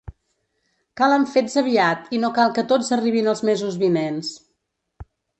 Calen fets aviat i no cal que tots arribin els mesos vinents.